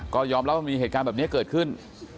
ก็ยอมรับว่ามีเหตุการณ์แบบนี้เกิดขึ้น